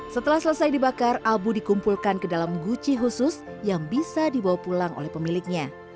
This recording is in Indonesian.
setelah selesai dibakar abu dikumpulkan ke dalam guci khusus yang bisa dibawa pulang oleh pemiliknya